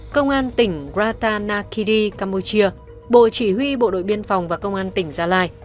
công an tỉnh rata nakiri campuchia bộ chỉ huy bộ đội biên phòng và công an tỉnh gia lai